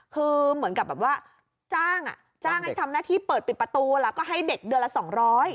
คือเหมือนกับแบบว่าจ้างอ่ะจ้างให้ทำหน้าที่เปิดปิดประตูแล้วก็ให้เด็กเดือนละสองร้อย